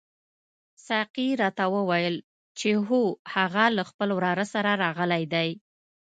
ساقي راته وویل چې هو هغه له خپل وراره سره راغلی دی.